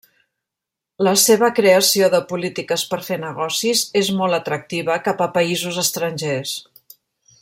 La seva creació de polítiques per fer negocis és molt atractiva cap a països estrangers.